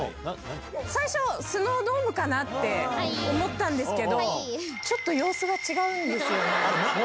最初、スノードームかなって思ったんですけど、ちょっと様子が違うんですよね。